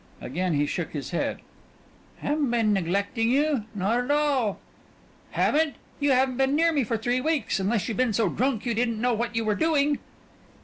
Again he shook his head. "Haven't been neglecting you. Not at all." "Haven't! You haven't been near me for three weeks, unless you been so drunk you didn't know what you were doing."